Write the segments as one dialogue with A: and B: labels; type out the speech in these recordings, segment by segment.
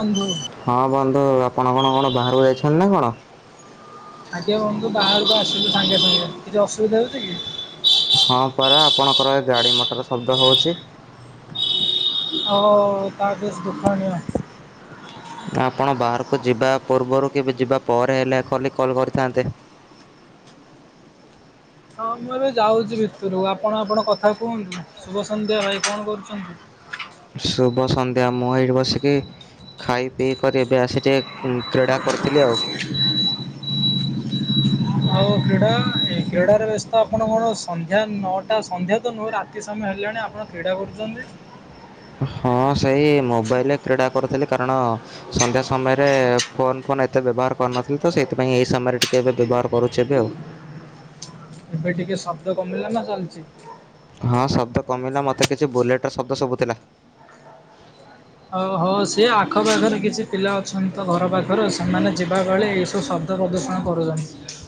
A: ବନ୍ଧୁ,
B: ହଁ ବନ୍ଧୁ ଆପଣ କଣ କଣ ବାହାରକୁ ଯାଇଛନ୍ତି ନା କଣ?
A: ଆଜ୍ଞା ବନ୍ଧୁ ବାହାରକୁ ଆସିଲୁ ସାଙ୍ଗେ ସାଙ୍ଗେ କିଛି ଅସୁବିଧା ହେଉଛି କି?
B: ହଁ ପରା ଆପଣଙ୍କର ଗାଡି ମଟର ଶବ୍ଦ ହଉଛି।
A: ହଉ ତା ବେଶ ଦୁଃଖନୀୟ
B: ଆପଣ ବାହାରକୁ ଯିବା ପୂର୍ବରୁ କି ଯିବା ପରେ ହେଲେ କଲି କଲ କରିଥାନ୍ତେ।
A: ହଁ ମୁଁ ଏବେ ଯାଉଛି ଭିତରକୁ ଆପଣ ଆପଣ କଥା କୁହନ୍ତୁ, ଶୁଭ ସନ୍ଧ୍ୟା ଭାଇ କଣ କରୁଛନ୍ତି?
B: ଶୁଭ ସନ୍ଧ୍ୟା ମୁଁ ଏଇଠି ବସିକି- ଖାଇ ପିଇ କରି ଏବେ ଆସି ଟିକେ କ୍ରୀଡ଼ା କରିଥିଲି ଆଉ,
A: ଆଉ କ୍ରୀଡ଼ା ଏ କ୍ରୀଡ଼ାରେ ବ୍ୟସ୍ତ ଆପଣ କଣ ସନ୍ଧ୍ୟା ନଅଟା ସନ୍ଧ୍ୟା ତ ନୁହେ ରାତି ସମୟ ହେଲାଣି ଆପଣ- କ୍ରୀଡ଼ା କରୁଛନ୍ତି?
B: ହଁ ସେଇ ମୋବାଇଲରେ କ୍ରୀଡ଼ା କରୁଥିଲି କାରଣ- ସନ୍ଧ୍ୟା ସମୟରେ ଫୋନ ଫୋନ ଏତେ ବ୍ୟବହାର କରିନଥିଲି ତ ସେଇଥିପାଇଁ ଏଇ ସମୟରେ ଟିକେ ଏବେ ବ୍ୟବହାର କରୁଛ ଏବେ ଆଉ।
A: ଏବେ ଟିକେ ଶବ୍ଦ କମିଲା ନା ଚାଲିଛି?
B: ହଁ ଶବ୍ଦ କମିଲା ମତେ କିଛି ବୁଲେଟର ଶବ୍ଦ ସବୁ ଥିଲା।
A: ହଉ ହଉ ସିଏ ଆଖପାଖରେ କିଛି ପିଲା ଅଛନ୍ତି ତ ଘର ପାଖରୁ ସେମାନେ ଯିବା ବେଳେ ଏଇ ସବୁ ସବ ପ୍ରଦୂଷଣ କରୁଛନ୍ତି।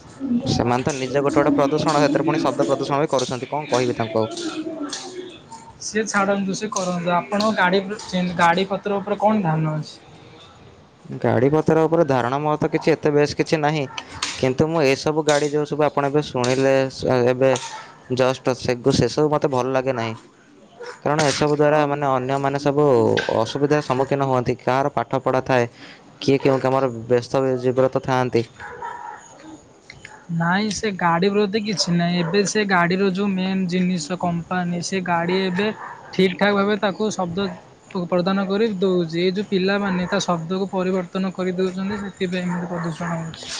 B: ସେମାନେ ତ ନିଜେ ଗୋଟେ ଗୋଟେ ପ୍ରଦୂଷଣ ସେଥିରେ ପୁଣି ଶବ୍ଦ ପ୍ରଦୂଷଣ ବି କରୁଛନ୍ତି କ'ଣ କହିବି ତାଙ୍କୁ ଆଉ
A: ସେ ଛାଡନ୍ତୁ ସେ କରନ୍ତୁ ଆପଣଙ୍କ ଗାଡି ସେ ଗାଡି ପତ୍ର ଉପରେ କଣ ଧ୍ୟାନ ଅଛି?
B: ଗାଡି ପତର ଉପରେ ଧାରଣା ମହତ କିଛି ଏତେ ବେଶ କିଛି ନାହିଁ। କିନ୍ତୁ ମୁଁ ଏସବୁ ଗାଡି ଯୋଉ ସବୁ ଆପଣ ଏବେ ଶୁଣିଲେ ଏବେ, ଜଷ୍ଟ ସେକୁ ସେ ସବୁ ମୋତେ ଭଲ ଲାଗେ ନାହିଁ। କାରଣ ଏସବୁ ଦ୍ଵାରା ମାନେ ଅନ୍ୟମାନେ ସବୁ ଅସୁବିଧାର ସମ୍ମୁଖୀନ ହୁଅନ୍ତି କାହାର ପାଠ ପଢ଼ା ଥାଏ, କିଏ କେଉଁ କାମରେ ବ୍ୟସ୍ତ ଜୀବରେ ତ ଥାଆନ୍ତି।
A: ନାଇଁ ସେ ଗାଡି ପ୍ରତି କିଛି ନାହିଁ, ଏବେ ସେ ଗାଡିରୁ ଯୋଉ ମେନ୍ ଜିନିଷ କ ମ୍ପାନୀ ସେ ଗାଡି ଏବେ ଠିକ ଠାକ୍ ଭାବେ ତାକୁ ଶବ୍ଦ ପ୍ରଦାନ କରି ଦେଉଛି ଏଇ ଯଉ ପିଲାମାନେ ତା ଶବ୍ଦକୁ ପରିବର୍ତ୍ତନ କରି ଦେଉଛନ୍ତି ସେ ଥିପାଇଁ ପ୍ରଦୂଷଣ ଘଟୁଛି।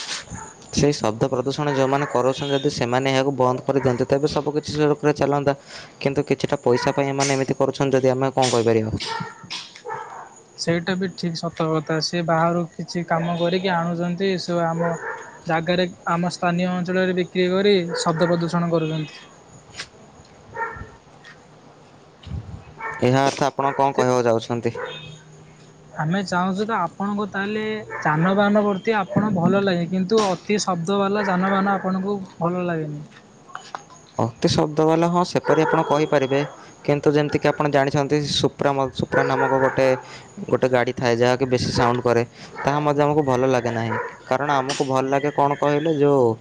B: ସେଇ ଶବ୍ଦ ପ୍ରଦୂଷଣ ଯୋଉମାନେ କରୁଛନ୍ତି ଯଦି ସେମାନେ ଏହାକୁ ବନ୍ଦ କରିଦିଅନ୍ତ ତେବେ ସବୁକିଛି ସୁରୁଖୁରୁ ରେ ଚାଲନ୍ତା, କିନ୍ତୁ କିଛିଟା ପଇସା ପାଇଁ ଏମାନେ ଏମିତି କରୁଛନ୍ତି ଯଦି ଆମେ କଣ କହିପାରିବା ଆଉ।
A: ସେଇଟା ବି ଠିକ୍ ସତକଥା ସେ ବାହାରୁ କିଛି କାମ କରିକି ଆଣୁଛନ୍ତି ଏ ସବୁ ଆମ ଜାଗାରେ ଆମ ସ୍ଥାନୀୟ ଅଞ୍ଚଳରେ ବିକ୍ରି କରି ଶବ୍ଦ ପ୍ରଦୂଷଣ କରୁଛନ୍ତି।
B: ଏହା ଅର୍ଥ ଆପଣ କଣ କହିବାକୁ ଯାଉଛନ୍ତି?
A: ଆମେ ଚାହୁଁଛୁ ତ ଆପଣଙ୍କୁ ତାହେଲେ ଯାନବାହାନ କର ଅତି ଆପଣ ଭଲ ଲାଗେ କିନ୍ତୁ ଅତି ଶବ୍ଦବାଲା ଯାନବାହାନ ଆପଣଙ୍କୁ ଭଲ ଲାଗେନି,
B: ଅତି ଶବ୍ଦ ବାଲା ହଁ ସେପରି ଆପଣ କହିପାରିବେ, କିନ୍ତୁ ଯେମିତିକି ଆପଣ ଜାଣିଛନ୍ତି ସୁପ୍ରା ସୁପ୍ରା ନାମକ ଗୋଟେ ଗୋଟେ ଗାଡି ଥାଏ ଯାହକି ବେଶୀ ସାଉଣ୍ଡ କରେ ତାହା ମଧ୍ୟ ଆମକୁ ଭଲ ଲାଗେ ନାହିଁ, କାରଣ ଆମକୁ ଭଲ ଲାଗେ କଣ କହିଲୁ ଯୋଉ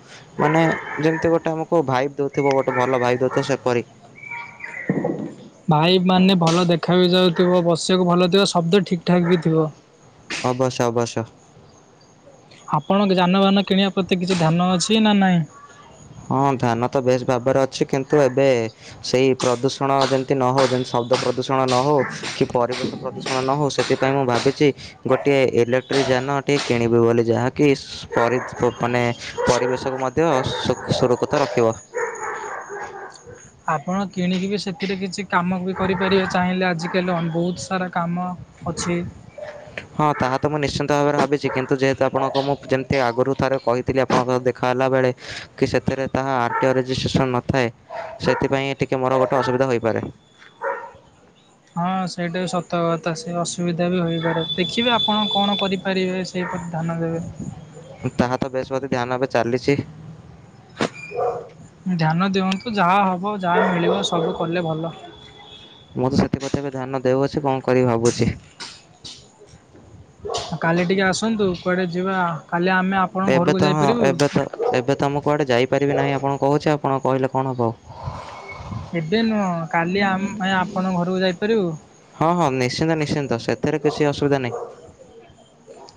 B: ମାନେ ଯେମିତି ଗୋଟେ ଆମକୁ ଭାଇଭ ଦଉଥିବ ଗୋଟେ ଭଲ ଭାଇଭ ଦଉଥିବ ସେପରି,
A: ଭାଇଭ ମାନେ ଭଲ ଦେଖା ବି ଯାଉଥିବ ବସିବାକୁ ଭଲ ଥିବ ଶବ୍ଦ ଠିକ୍ ଠାକ୍ ବି ଥିବ।
B: ଅବଶ ଅବଶ।
A: ଆପଣଙ୍କ ଯାନବାହାନ କିଣିବା ପ୍ରତି କିଛି ଧ୍ୟାନ ଅଛି ନା ନାହିଁ?
B: ହଁ ଧାନ ତ ବେଶ ଭାବରେ ଅଛି କିନ୍ତୁ ଏବେ ସେଇ ପ୍ରଦୂଷଣ ଯେମିତି ନ ହଉ ଯେମତି ଶବ୍ଦ ପ୍ରଦୂଷଣ ନ ହଉ, କି ପରିବେଶ ପ୍ରଦୂଷଣ ନ ହଉ ସେଥିପ ପାଇଁ ମୁଁ ଭାବିଛି ଗୋଟିଏ ଇଲେକ୍ଟ୍ରିକ ଯାନ ଟିଏ କିଣିବି ବୋଲି ଯାହାକି- ସ୍ପ ମାନେ ପରିବେଶକୁ ମଧ୍ୟ ସୁ ସୁରୁକତ ରଖିବ।
A: ଆପଣ କିଣିକି ବି ସେଥିରେ କିଛି କାମ ବି କରିପାରିବେ ଚାହିଁଲେ ଆଜିକାଲି ଅ ବହୁତ ସାରା କାମ। ଅଛି।
B: ହଁ ତାହା ତ ମୁଁ ନିଶ୍ଚିନ୍ତ ଭାବରେ ଭାବିଚି କିନ୍ତୁ ଯେହେତୁ ଆପଣଙ୍କୁ ମୁଁ ଯେମିତି ଆଗରୁ ଥରେ କହିଥିଲି ଆପଣଙ୍କ ସହ ଦେଖା ହେଲାବେଳେ। କି ସେଥିରେ ତାହା ଆରଟିଅ ରେଜିଷ୍ଟ୍ରେସନ ନଥାଏ। ସେଥିପାଇଁ ଏ ଟିକେ ମୋର ଗୋଟେ ଅସୁବିଧା ହୋଇପାରେ।
A: ହଁ ସେଇଟାବି ସତକଥା ସେ ଅସୁବିଧା ବି ହୋଇପାରେ ଦେଖିବେ ଆପଣ କଣ କରିପାରିବେ। ସେପରି ଧାନ ଦେବେ।
B: ତାହା ତ ବେଶ ବଧ ଧ୍ୟାନ ଏବେ ଚାଲିଚି।
A: ଧ୍ୟାନ ଦିଅନ୍ତୁ ଯାହା ହବ ଯାହା ମିଳିବ ସବୁ କଲେ ଭଲ।
B: ମୁଁ ତ ସେଥିପତି ଏବେ ଧ୍ୟାନ ଦେଉଅଛି କଣ କରିିବି ଭାବୁଛି।
A: କାଲି ଟିକେ ଆସନ୍ତୁ କୁଆଡ଼େ ଯିବା କାଲି ଆମେ ଆପଣଙ୍କ
B: ଏବେ
A: ଘରକୁ
B: ତ ହଁ
A: ଯାଇପାରିବୁ।
B: ଏବେ ତ ଏବେ ତ ଆମଁ କୁଆଡ଼େ ଯାଇପାରିବି ନାହିଁ ଆପଣଙ୍କୁ କହୁଚି ଆପଣ କହିଲେ କଣ ହେବ।
A: ଏବେ ନୁହଁ କାଲି ଆମ ଭାଈ ଆପଣଙ୍କ ଘରକୁ ଯାଇପାରିବୁ?
B: ହଁ ହଁ ନିଶ୍ଚିନ୍ତ ନିଶ୍ଚିନ୍ତ ସେଥିରେ କିଛି ଅସୁବିଧା ନାହିଁ।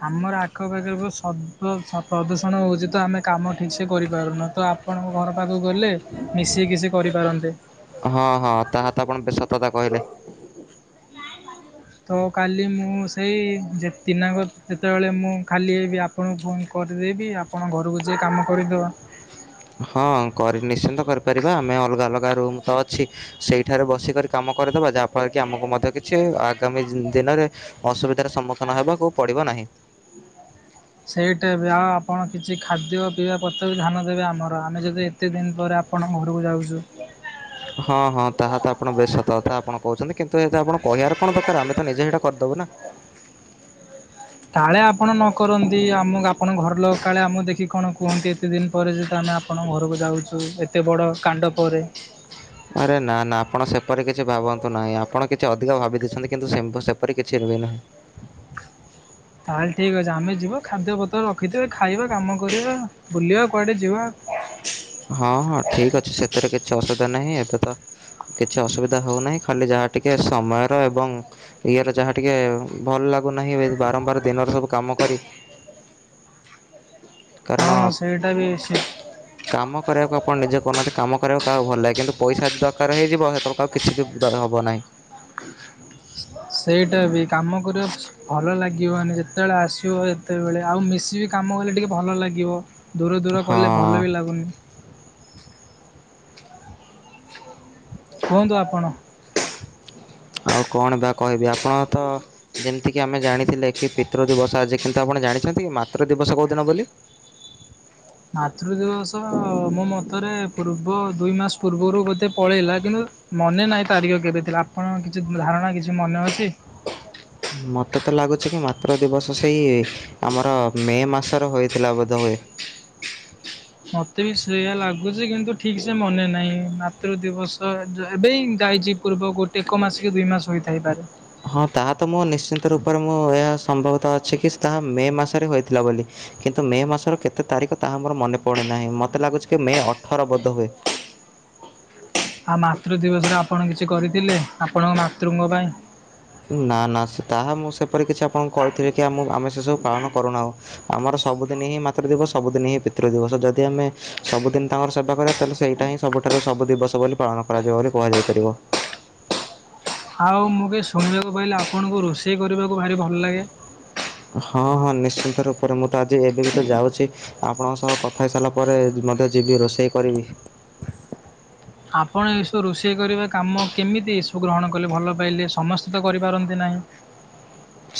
A: ଆମର ଆଖପାଖରେ ସବ୍ଦ ଶ ପ୍ରଦୂଷଣ ହେଉଚି ତ ଆମେ କାମ ଠିକସେ କରିପାରୁନ ତ। ଆପଣଙ୍କ ଘର ପାଖକୁ ଗଲେ ମିଶ କିି ସେ କରିପାରନ୍ତେ।
B: ହଁ ହଁ ତାହା ତ ଆପଣ ବେଶ ସତ କଥା କହିଲେ।
A: ତ କାଲି ମୁଁ ସେଇ ଯେ ଦିନାକ ଯେତେବେଳେ ମୁଁ ଖାଲି ହେବି ଆ ଆପଣଙ୍କୁ ଫୋନ୍ କରିଦେବି ଆପଣ ଘରକୁ ଯିଏ କାମ କରିଦ
B: ହଁ କରି ନିଶ୍ଚିନ୍ତ କରିପାରିବା ଆମେ ଅଲଗା ଅଲଗା ରୁମ ତ ଅଛି। ସେଇଠାରେ ବସିକରି କାମ କରିଦବା ଯାହା ଫଳରେ କି ଆମକୁ ମଧ୍ୟ କିଛି ଆଗାମୀ ଦିନରେ ଅସୁବିଧାର ସମ୍ମୁଖୀନ ହେବାକୁ ପଡିବ ନାହିଁ।
A: ସେଇଟା ବି ଆଉ ଆପଣ କିଛି ଖାଦ୍ୟ ପିଇବା ପତ୍ର ବି ଧ୍ୟାନ ଦେବେ ଆମର ଆମେ ଯଦି କେତେ ଦିନ ପରେ ଆପଣଙ୍କ ଘରକୁ ଯାଉଚୁ।
B: ହଁ ହଁ ତାହା ତ ଆପଣ ବେଶ ସତ କଥା ଆପଣ କହୁଛନ୍ତି କିନ୍ତୁ ଏତ ଆପଣ କହିବାର କଣ ଦରକାର ଆମେ ତ ନିଜେ ହେଇଟା କରିଦବୁ ନା।
A: କାଳେ ଆପଣ ନ କରନ୍ତି ଆମ ଆପଣଙ୍କ ଘର ଲୋକ କାଳେ ଆମ ଦେଖିକି କଣ କୁହନ୍ତି। ଏତେ ଦିନ ପରେ ଯେହେତୁ ଆମେ ଆପଣଙ୍କ ଘରକୁ ଯାଉଚୁ ଏତେ ବଡ଼ କାଣ୍ଡ ପରେ।
B: ଆରେ ନା ନା ଆପଣ ସେପରି କିଛି ଭାବନ୍ତୁ ନାହିଁ ଆପଣ କିଛି ଅଧିକ ଭାବି ଦେଇଚନ୍ତି କିନ୍ତୁ ସିମ୍ପୁ ସେପରି କିଛି ରୁହେନା।
A: ତାହେଲେ ଠିକ୍ ଅଛି ଆମେ ଯିବୁ ଖାଦ୍ୟପତ୍ର ରଖିଥିବେ ଖାଇବା କାମ କରିବା ବୁଲିବା କୁଆଡ଼େ ଯିବା।
B: ହଁ ହଁ ଠିକ୍ ଅଛି ସେଥିରେ କିଛି ଅସୁବିଧା ନାହିଁ ଏବେ ତ କିଛି ଅସୁବିଧା ହଉନାହିଁ ଖାଲି ଯାହା ଟିକେ ସମୟର ଏବଂ ଇଏର ଯାହା ଟିକେ ଭଲ ଲାଗୁନାହିଁ ଏ ବାରମ୍ବାର ଦିନର ସବୁ କାମ କରି କାରଣ
A: ହଁ ସେଇଟାବି ସେ
B: କାମ କରିବାକୁ ଆପଣ ନିଜେ କହୁନାହାନ୍ତି କାମ କରିବାକୁ କାହାକୁ ଭଲ ଲାଗେ କିନ୍ତୁ ପଇସାଦି ଦରକାର ହେଇଯିବହେ ତମେ କାହାକୁ କିଛି ଗି ଦ ହବ ନାହିଁ।
A: [inaudible] ସେଇଟା ବି କାମ କରିବ। ଭଲ ଲାଗିବନି ଯେତେବେଳେ ଆସିବ ସେତେବେଳେ ଆଉ ମିଶିବି କାମ କଲେ ଟିକେ ଭଲ ଲାଗିବ। ଦୂର ଦୂର
B: ହଁ
A: କଲେ ଭଲ ବି ଲାଗୁନି। କୁହନ୍ତୁ ଆପଣ?
B: ଆଉ କଣ ବା କହିବି ଆପଣ ତ ଯେମିତି କିି ଆମେ ଜାଣିଥିଲେ କି ପିତୃ ଦିବସ ଆଜି କିନ୍ତୁ ଆପଣ ଜାଣିଛନ୍ତି କି ମାତୃ ଦିବସ କୋଉ ଦିନ ବୋଲି?
A: ମାତୃ ଦିବସ ମୋ ମତରେ ପୂର୍ବ ଦୁଇ ମାସ ପୂର୍ବରୁ ବୋତେ ପଳେଇଲା କିନ୍ତୁ ମନେ ନାହିଁ ତାରିଖ କେବେ ଥିଲା ଆପଣଙ୍କ କିଛି ଧାରଣା କିଛି ମନେ ଅଛି।
B: ମତେ ତ ଲାଗୁଛି କି ମାତ୍ର ଦିବସ ସେଇ ଆମର ମେ ମାସର ହୋଇଥିଲା ବୋଧ ହୁଏ।
A: ମତେ ବି ସେଇୟା ଲାଗୁଚି କିନ୍ତୁ ଠିକ ସେ ମନେ ନାହିଁ ମାତୃ ଦିବସ ଏବେ ଯାଇଚି। ପୂର୍ବ ଗୋଟେ ଏକ ମାସ କି ଦୁଇ ମାସ ହୋଇଥାଇପାରେ।
B: ହଁ ତାହା ତ ମୁଁ ନିଶ୍ଚିନ୍ତ ରୂପରେ ମୁଁ ଏହା ସମ୍ଭବତ ଅଛି କି ତାହା ମେ ମାସରେ ହୋଇଥିଲା ବୋଲି। କିନ୍ତୁ ମେ ମାସର କେତେ ତାରିଖ ତାହା ମୋର ମନେ ପଡେ ନାହିଁ ମତେ ଲାଗୁଛି କି ମେ ଅଠର ବୋଧ ହୁଏ।
A: ଆଉ ମାତୃ ଦିବସରେ ଆପଣ କିଛି କରିଥିଲେ ଆପଣଙ୍କ ମାତୃଙ୍କ ପାଇଁ।
B: ନା ନା ସେ ତାହା ମୁଁ ସେପରି କିଛି ଆପଣଙ୍କୁ କହିଥିଲି କି ଆମ ଆମେ ସେ ସବୁ ପାଳନ କରୁନାହୁ। ଆମର ସବୁଦିନ ହିଁ ମାତୃଦିବସ ସବୁଦିନ ହିଁ ପିତୃଦ ଦିବସ ଯଦି ଆମେ ସବୁଦିନ ତାଙ୍କର ସେବା କରିବା ତାହେଲେ ସେଇଟା ହିଁ ସବୁଠାରୁ ସବୁ ଦିବସ ବୋଲି ପାଳନ କରାଯିବ ବୋଲି କୁହାଯାଇ ପାରିବ।
A: ଆଉ ମୁଁ କି ଶୁଣିବାକୁ ପାଇଲେ ଆପଣଙ୍କୁ ରୋଷେଇ କରିବାକୁ ଭାରି ଭଲ ଲାଗେ।
B: ହଁ ହଁ ନିଶ୍ଚିନ୍ତ ରୂପରେ ମୁଁ ତ ଆଜି ଏବେ ବି ତ ଯାଉଛି। ଆପଣଙ୍କ ସହ କଥା ହେଇ ସାରିଲା ପରେ ମଧ୍ୟ ଯିବି ରୋଷେଇ କରିବି।
A: ଆପଣ ଏସବୁ ରୋଷେଇ କରିବା କାମ କେମିତି ଏସବୁ ଗ୍ରହଣ କଲେ ଭଲ ପାଇଲେ ସମସ୍ତେ ତ କରିପାରନ୍ତି ନାହିଁ।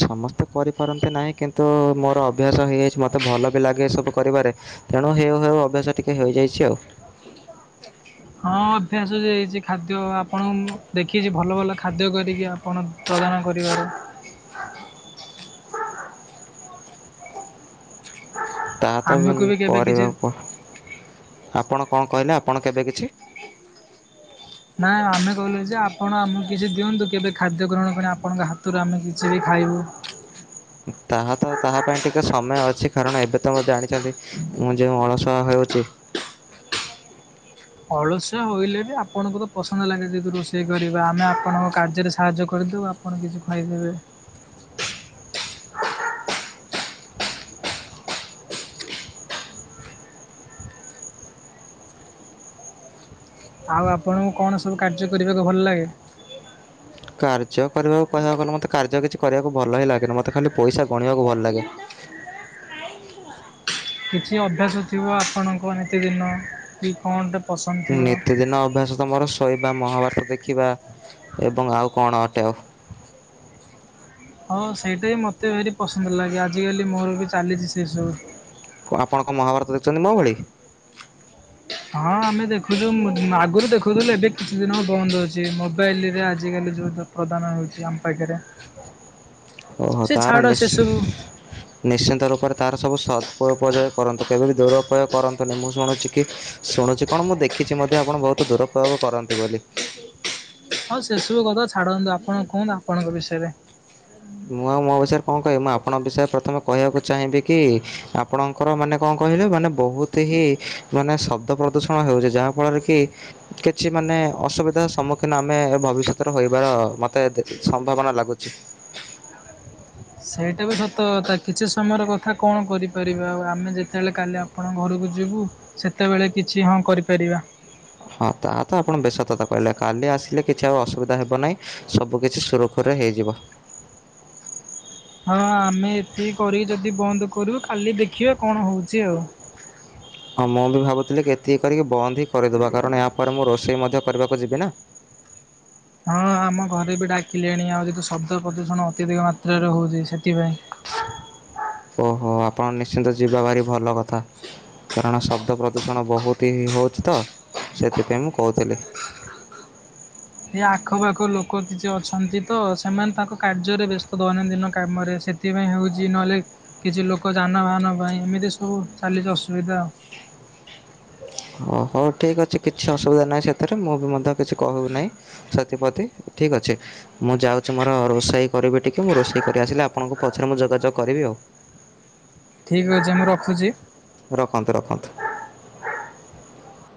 B: ସମସ୍ତେ କରିପାରନ୍ତି ନାହିଁ କିନ୍ତୁ ମୋର ଅଭ୍ୟାସ ହେଇଯାଇଛି ମୋତେ ଭଲ ବି ଲାଗେ ଏସବୁ କରିବାରେ। ତେଣୁ ହେଉ ହେଉ ଅଭ୍ୟାସ ଟିକେ ହେଇଯାଇଛି ଆଉ।
A: ହଁ ଅଭ୍ୟାସ ଯାଇଛି ଖାଦ୍ୟ ଆପଣଙ୍କୁ ଦେଖିଛି ଭଲ ଭଲ ଖାଦ୍ୟ କରିକି ଆ କଣ ତଳନ କରିବା।
B: ତାହା ତ
A: ଆମକୁ ବି କେବେ କିଛି
B: କରିବାକୁ ଆପଣ କଣ କହିଲେ ଆପଣ କେବେ କିଛି
A: ନାାଇ ଆମେ କହିଲୁ ଯେ ଆପଣ ଆମକୁ କିଛି ଦିଅନ୍ତୁ କେବେ ଖାଦ୍ୟ ଗ୍ରହଣ ପାଇଁ ଆପଣଙ୍କ ହାତରୁ ଆମେ କିଛି ବି ଖାଇବୁ।
B: ତାହା ତ ତାହା ପାଇଁ ଟିକେ ସମୟ ଅଛି କାରଣ ଏବେ ତ ମ ଜାଣିଛନ୍ତି ମୁଁ ଯେଉଁ ଅଳସଆ ହେଉଛି।
A: ଅଳସଆ ହେୋଇଲେ ବି ଆପଣଙ୍କୁ ତ ପସନ୍ଦ ଲାଗେ ଯେେତୁ ରୋଷେଇ କରିବା ଆମେ ଆପଣଙ୍କ କାର୍ଯ୍ୟରେ ସାହାଯ୍ୟ କରିଦେଉ। କପଣ କିଛି ଖାଇଦେବେ ଆଉ ଆପଣଙ୍କୁ କଣ ସବୁ କାର୍ଯ୍ୟ କରିବାକୁ ଭଲ ଲାଗେ।
B: କାର୍ଯ୍ୟ କରିବାକୁ କହିବାକୁ ଗଲେ ମତେ କାର୍ଯ୍ୟ କିଛି କରିବାକୁ ଭଲ ହିଁ ଲାଗେନି ମତେ ଖାଲି ପଇସା ଗଣିବାକୁ ଭଲ ଲାଗେ।
A: କିଛି ଅଭ୍ୟାସ ଥିବ ଆପଣଙ୍କ ନିତିଦିନ କି କଣ ଟେ ପସନ୍ଦ ଥିବ।
B: ଦ ଅଭ୍ୟାସ ତମର ଶୋଇବା ମହାଭାରତ ଦେଖିବା ଏବଂ ଆଉ କଣ ଅଟେ ଆଉ
A: ହଁ ସେଇଟା ହ ମତେ ଭାରରି ପସନ୍ଦ ଲାଗେ ଆଜିକାଲି ମୋର ବି ଚାଲିଛି ସେ ସବୁ।
B: ଆପଣ କଣ ମହାଭାରତ ଦେଖୁଛନ୍ତି ମୋ ଭଳି।
A: ହଁ ଆମେ ଦେଖୁଛୁ ଆଗରୁ ଦେଖୁଥିଲୁ। ଏବେ କିଛି ଦିନ ବନ୍ଦ ହଉଛି ମୋବାଇଲ ରେ ଆଜିକାଲି ଯୋଉ ପ୍ରଦାନ ହେଉଛି ଆମ ପାଖରେ।
B: ଓହୋ
A: ସେ
B: ତାର
A: ଛାଡ଼
B: ନୀଚ
A: ସେସବୁ
B: ନିଶ୍ଚିନ୍ତ ରୂପରେ ତାର ସବୁ ସଦ୍ପଉପଯୋଗି କରନ୍ତୁ କେବେ ବି ଦୁରପୟୋଗ କରନ୍ତୁନି ମୁଁ ଶୁଣୁଛି କି ଶୁଣୁଛି କଣ ମୁଁ ଦେଖିଛି ମଧ୍ୟ ଆପଣ ବହୁତ ଦୁରୁପୟୋଗ କରନ୍ତି ବୋଲି।
A: ହଁ ସେ ସବୁ କଥା ଛାଡନ୍ତୁ ଆପଣ କୁହନ୍ତୁ ଆପଣଙ୍କ ବିଷୟରେ।
B: ମୁଁ ଆଉ ମୋ ବିଷୟରେ କଣ କହିବି ମୁଁ ଆପଣଙ୍କ ବିଷୟରେ ପ୍ରଥମେ କହିବାକୁ ଚାହିଁବି କି ଆପଣ ଙ୍କର ମାନେ କଣ କହିଲେ ମାନେ ବହୁତ ହିଁ ମାନେ ଶବ୍ଦ ପ୍ରଦୂଷଣ ହେଉଛି ଯାହା ଫଳରେ କି କିଛି ମାନେ ଅସୁବିଧା ସମ୍ମୁଖୀନ ଆମେ ଭବିଷ୍ୟତରେ ହୋଇବାର ମତେ ସମ୍ଭାବନା ଲାଗୁଛି।
A: ସେଇଟା ବି ସତ କଥା କିଛି ସମୟର କଥା କଣ କରିପାରିବା ଆଉ ଆମେ ଯେତେବେଳେ କାଲି ଆପଣଙ୍କ ଘରକୁ ଯିବୁ ସେତେବେଳେ କିଛି ହଁ କରିପାରିବା।
B: ହଁ ତାହା ତ ଆପଣ ବେସତତା କହିଲେ। କାଲି ଆସିଲେ କିଛି ଆଉ ଅସୁବିଧା ହେବ ନାହିଁ ସବୁ କିଛି ସୁରୁଖୁରୁରେ ହେଇଯିବ।
A: ହଁ ଆମେ ଏତିକି କରିକି ଯଦି ବନ୍ଦ କରିବୁ କାଲି ଦେଖିବା କଣ ହଉଛି ଆଉ।
B: ହଁ ମୁଁ ବି ଭାବୁଥିଲି କି ଏତିକି କରିକି ବନ୍ଦ ହି କରିଦବା କାରଣ ଏହାପରେ ମୁଁ ରୋଷେଇ ମଧ୍ୟ କରିବାକୁ ଯିବି ନା।
A: ହଁ ଆମ ଘରେ ବି ଡାକିଲେଣି ଆଉ ଯେହେତୁ ଶବ୍ଦ ପ୍ରଦୂଷଣ ଅତ୍ୟଧିକ ମାତ୍ରାରେ ହଉଛି ସେଥିପାଇଁ।
B: ଓହୋ ଆପଣ ନିଶ୍ଚିନ୍ତ ଯିବା ଭାରି ଭଲ କଥା। କାରଣ ଶବ୍ଦ ପ୍ରଦୂଷଣ ବହୁତି ହିଁ ହେଉଛି ତ ସେଥିପାଇଁ ମୁଁ କହୁଥିଲି।
A: ଏ ଆଖପାଖ ଲୋକ କିଛି ଅଛନ୍ତି ତ ସେମାନେ ତାଙ୍କ କାର୍ଯ୍ୟରେ ବ୍ୟସ୍ତ ଦୈନନ୍ଦିନ କାମରେ ସେ ସେଥିପାଇଁ ହେଉଛି ନହେଲେ କିଛି ଲୋକ ଯାନବାହାନ ପାଇଁ ଏମିତି ସବୁ ଚାଲିଛି ଅସୁବିଧା ଆଉ।
B: ଓହୋ ହଉ ଠିକ୍ ଅଛି କିଛି ଅସୁବିଧା ନାହିଁ ସେଥିରେ ମୁଁ ବି ମଧ୍ୟ କିଛି କହୁ ନାହିଁ। ସେଥିପତି ଠିକ ଅଛି। ମୁଁ ଯାଉଛି ମୋର ରୋଷେଇ କରିବି ଟିକିଏ ମୁଁ ରୋଷେଇ କରି ଆସିଲେ ଆପଣଙ୍କୁ ପଛରେ ମୁଁ ଯୋଗାଯୋଗ କରିବି ଆଉ।
A: ଠିକ୍ ଅଛି ମୁଁ ରଖୁଛି।
B: ରଖନ୍ତୁ ରଖନ୍ତୁ।